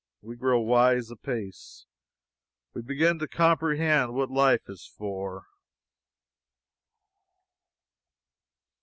We grow wise apace. We begin to comprehend what life is for.